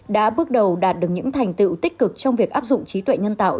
đã bước đầu đạt được những thành tựu tích cực trong việc áp dụng trí tuệ nhân tạo